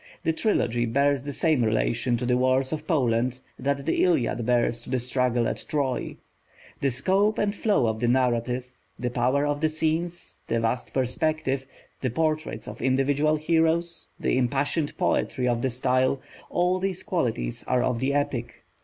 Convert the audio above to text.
The Trilogy bears the same relation to the wars of Poland that the Iliad bears to the struggle at Troy. The scope and flow of the narrative, the power of the scenes, the vast perspective, the portraits of individual heroes, the impassioned poetry of the style all these qualities are of the Epic.